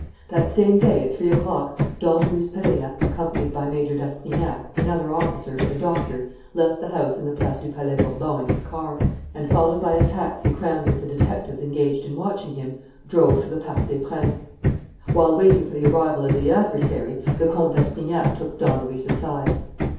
That same day, at three o'clock, Don Luis Perenna, accompanied by Major d'Astrignac, another officer, and a doctor, left the house in the Place du Palais Bourbon in his car, and, followed by a taxi crammed with the detectives engaged in watching him, drove to the Parc des Princes. While waiting for the arrival of the adversary, the Comte d'Astrignac took Don Luis aside.